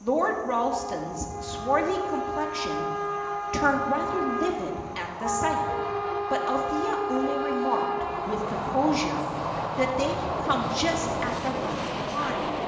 Lord Ralston's swarthy complexion turned rather livid at the sight, but Althea only remarked, with composure, that they had come just at the right time.